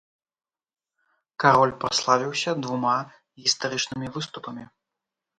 Кароль праславіўся двума гістарычнымі выступамі.